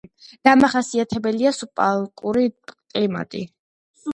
დამახასიათებელია სუბალპური კლიმატი.